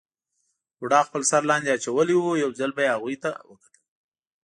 بوډا خپل سر لاندې اچولی وو، یو ځل به یې هغوی ته کتل.